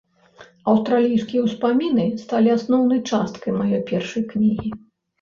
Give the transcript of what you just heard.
Аўстралійскія ўспаміны сталі асноўнай часткай маёй першай кнігі.